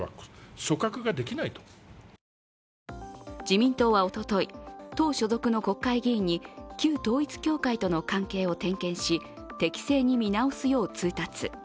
自民党はおととい、党所属の国会議員に旧統一教会との関係を点検し適正に見直すよう通達。